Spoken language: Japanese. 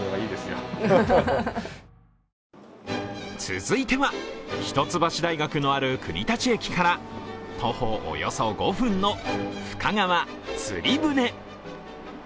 続いては一橋大学のある国立駅から徒歩およそ５分の深川つり舟。